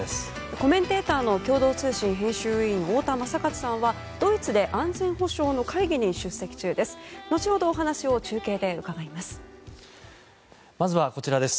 コメンテーターの共同通信編集委員の太田昌克さんは、ドイツで安全保障の会議に出席中です。